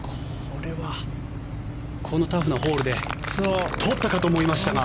これはこのタフなホールで取ったかと思いましたが。